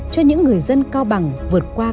cho những người dân cao bằng vượt qua